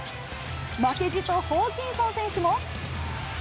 負けじとホーキンソン選手も。